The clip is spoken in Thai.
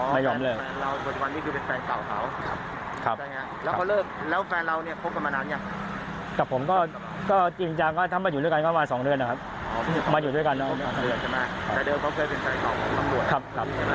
แฟนแก่เราปัจจุดนี้คือเป็นแฟนเก่าเค้า